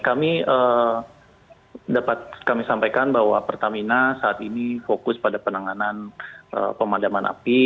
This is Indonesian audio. kami dapat kami sampaikan bahwa pertamina saat ini fokus pada penanganan pemadaman api